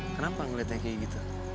kenapa ngeliatnya kayak gitu